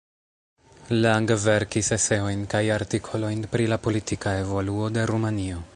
Lang verkis eseojn kaj artikolojn pri la politika evoluo de Rumanio.